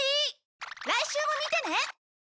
来週も見てね！